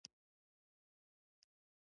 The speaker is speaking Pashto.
مستې معدې ته څه ګټه رسوي؟